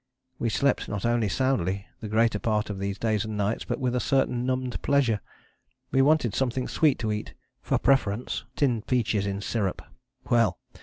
We slept not only soundly the greater part of these days and nights, but with a certain numbed pleasure. We wanted something sweet to eat: for preference tinned peaches in syrup! Well!